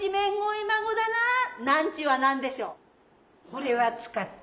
ほれは使った。